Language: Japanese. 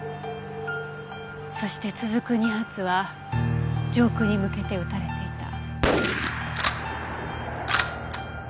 そして続く２発は上空に向けて撃たれていた。